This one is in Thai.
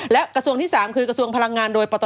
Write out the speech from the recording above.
และกระทรวงที่๓คือกระทรวงพลังงานโดยปต